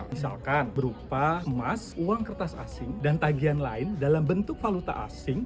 misalkan berupa emas uang kertas asing dan tagihan lain dalam bentuk valuta asing